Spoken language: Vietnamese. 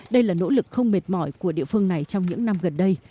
đây là nỗ lực không mệt mỏi của địa phương này trong những năm gần đây